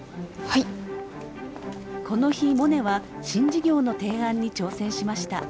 この日モネは新事業の提案に挑戦しました。